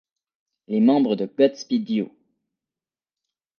Les membres de Godspeed You!